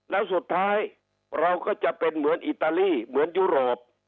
แล้วสุดท้ายเราก็จะเป็นเหมือนอิตาลีเหมือนยุโรป